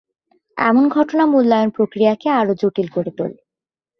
এমন ঘটনা মূল্যায়ন প্রক্রিয়াকে আরও জটিল করে তোলে।